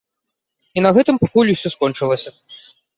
І на гэтым пакуль усё скончылася.